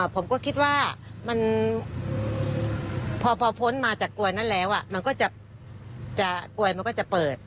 ผมก็คิดว่าพอพ้นมาจากกลวยนั้นแล้วกลวยมันก็จะเปิด